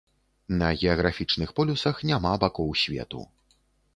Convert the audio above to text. На геаграфічных полюсах няма бакоў свету.